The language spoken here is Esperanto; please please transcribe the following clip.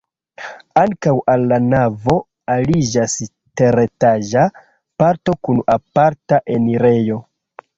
Ankaŭ al la navo aliĝas teretaĝa parto kun aparta enirejo.